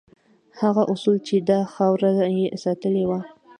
هغه اصول چې دا خاوره یې ساتلې وه.